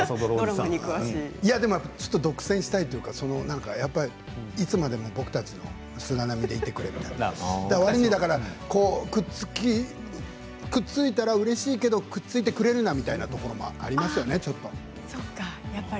独占したいというかいつまでも僕たちの菅波でいてほしいというかくっついたら、うれしいけどくっついてくれるなみたいなところがありますよね。